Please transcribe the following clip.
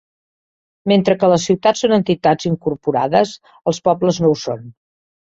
Mentre que les ciutats són entitats incorporades, els pobles no ho són.